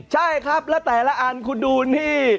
ใช่ครับแล้วแต่ละอันคุณดูนี่